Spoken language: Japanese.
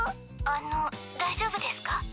あの大丈夫ですか？